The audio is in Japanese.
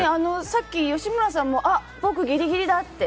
さっき吉村さんもあ、僕ギリギリだって。